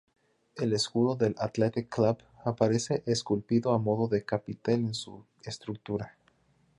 El escudo del Athletic Club aparece esculpido a modo de capitel en su estructura.